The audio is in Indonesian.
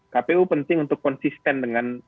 kpu penting untuk konsisten dengan